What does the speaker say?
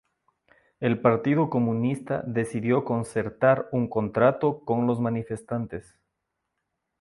El partido comunista decidió concertar un contrato con los manifestantes.